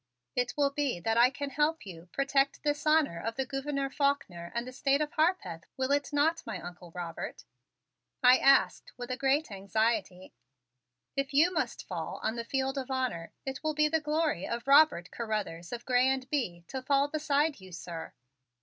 "It will be that I can help you protect this honor of the Gouverneur Faulkner and the State of Harpeth, will it not, my Uncle Robert?" I asked with a great anxiety. "If you must fall on the field of honor it will be the glory of Robert Carruthers of Grez and Bye to fall beside you, sir.